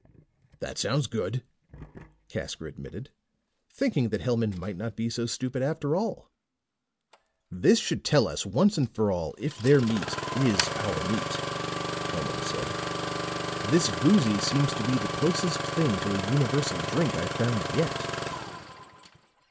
"That sounds good," Casker admitted, thinking that Hellman might not be so stupid after all. "This should tell us once and for all if their meat is our meat," Hellman said. "This Voozy seems to be the closest thing to a universal drink I've found yet."